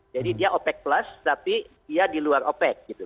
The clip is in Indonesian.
dia opec plus tapi dia di luar opec gitu